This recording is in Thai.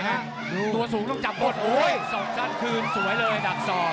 ตัวสูงต้องจับบนโอ้ยสอกสั้นคืนสวยเลยดักศอก